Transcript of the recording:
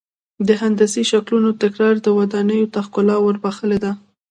د هندسي شکلونو تکرار ودانیو ته ښکلا ور بخښلې ده.